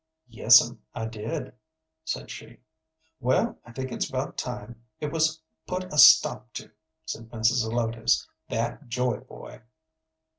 "Yes'm, I did," said she. "Well, I think it's about time it was put a stop to," said Mrs. Zelotes. "That Joy boy!"